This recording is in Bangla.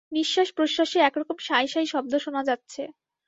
নিশ্বাস-প্রশ্বাসে একরকম শাই শাই শব্দ শোনা যাচ্ছে।